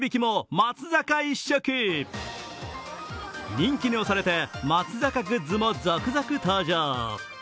人気に押されて松坂グッズも続々登場。